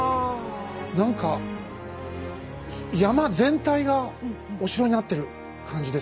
何か山全体がお城になってる感じですね。